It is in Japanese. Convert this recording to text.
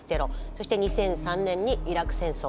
そして２００３年にイラク戦争。